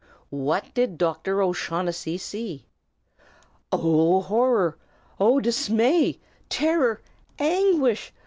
What did Dr. O'Shaughnessy see? Oh, horror! Oh, dismay, terror, anguish!